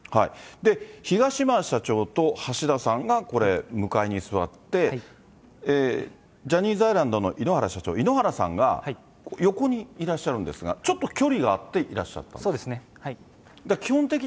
東山社長と橋田さんがこれ、向かいに座って、ジャニーズアイランドの井ノ原社長、井ノ原さんが横にいらっしゃるんですが、ちょっと距離があっていらっしゃったと？